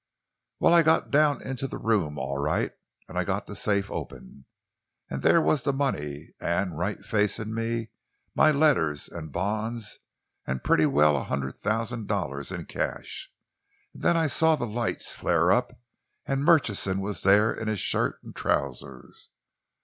"Well, I got down into the room all right, and I got the safe open, and there was the money, and, right facing me, my letters and bonds, and pretty well a hundred thousand dollars in cash. And then I saw the lights flare up, and Murchison was there in his shirt and trousers.